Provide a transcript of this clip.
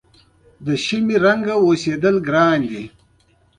د شمعې په څېر اوسېدل ګران دي.